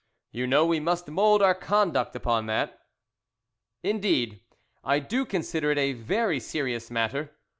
You know we must mould our conduct upon that." "Indeed, I do consider it a very serious matter.